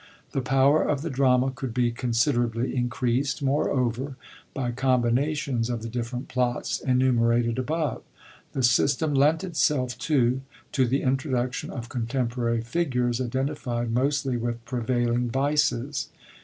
The power of the drama could be considerably increast, moreover, by combinations of the different plots enumer ated above. The system lent itself, too, to the introduc tion of contemporary figures identified mostly with prevailing vices.